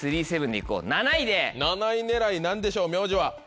７位狙い何でしょう名前は。